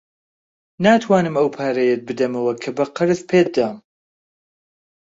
ناتوانم ئەو پارەیەت بدەمەوە کە بە قەرز پێت دام.